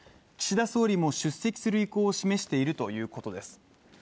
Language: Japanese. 岸田総理も出席する意向を示しているということです。